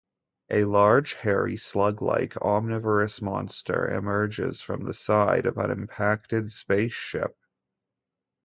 A large, hairy, slug-like, omnivorous monster emerges from the side of an impacted spaceship.